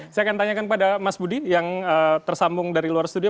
saya akan tanyakan kepada mas budi yang tersambung dari luar studio